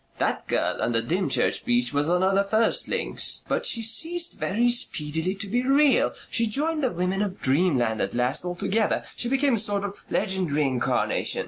That girl on the Dymchurch beach was one of the first links, but she ceased very speedily to be real she joined the women of dreamland at last altogether. She became a sort of legendary incarnation.